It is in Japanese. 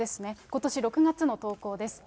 ことし６月の投稿です。